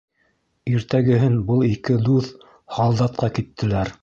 Иртәгеһен был ике дуҫ һалдатҡа киттеләр.